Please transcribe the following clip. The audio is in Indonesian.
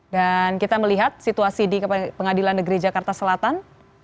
dan kita melihat situasi di pengadilan negeri jakarta selatan